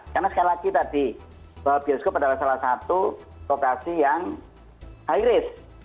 karena sekali lagi tadi bioskop adalah salah satu lokasi yang high risk